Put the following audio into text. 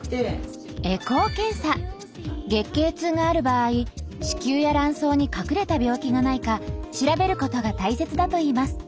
月経痛がある場合子宮や卵巣に隠れた病気がないか調べることが大切だといいます。